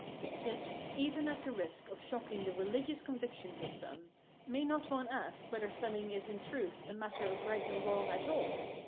Yet even at the risk of shocking the religious convictions of some, may not one ask whether spelling is in truth a matter of right and wrong at all?